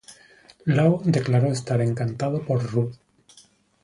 Law declaró estar encantado por Ruud.